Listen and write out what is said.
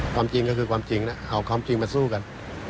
ความจริงก็คือความจริงนะเอาความจริงมาสู้กัน